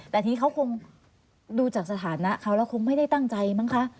แต่ทีนี้เขาคงดูจากสถานะเขาแล้วคงไม่ได้ตั้งใจมั้งคะ